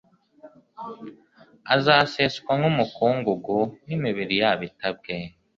azaseswa nk umukungugu n imibiri yabo itabwe